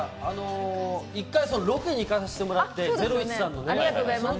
１回ロケに行かさしてもらって、『ゼロイチ』さんの。